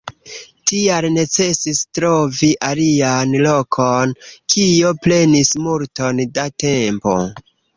Tial necesis trovi alian lokon, kio prenis multon da tempo.